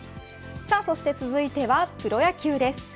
さあそして続いてはプロ野球です。